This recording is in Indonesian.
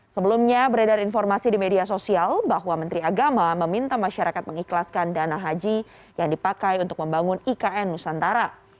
sebelumnya beredar informasi di media sosial bahwa menteri agama meminta masyarakat mengikhlaskan dana haji yang dipakai untuk membangun ikn nusantara